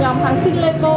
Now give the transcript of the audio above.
nhóm kháng sinh lepo